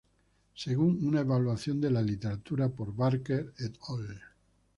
Según una evaluación de la literatura por Barker et al.